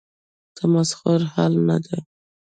تمسخر حل نه دی.